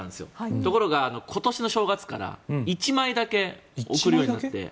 ところが、今年の正月から１枚だけ送るようになって。